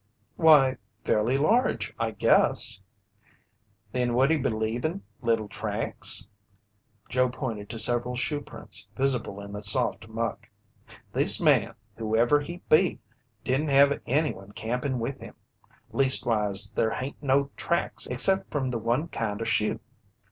"Why, fairly large, I guess." "Then would he be leavin' little tracks?" Joe pointed to several shoeprints visible in the soft muck. "This man, whoever he be, didn't have anyone campin' with him. Leastwise, there hain't no tracks except from the one kind o' shoe."